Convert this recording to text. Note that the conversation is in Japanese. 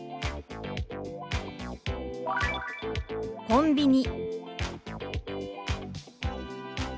「コンビニ」。